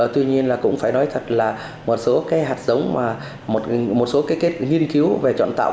tuy nhiên cũng phải nói thật là một số hạt giống một số kết nghiên cứu về chọn hạt giống